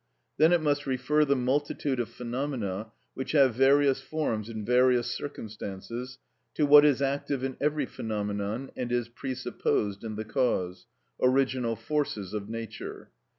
Then it must refer the multitude of phenomena which have various forms in various circumstances to what is active in every phenomenon, and is presupposed in the cause,—original forces of nature.